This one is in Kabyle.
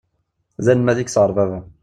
D anelmad i yesɣeṛ baba.